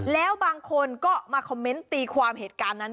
แล้วบางคนก็มาคอมเมนต์ตีความเหตุการณ์นั้น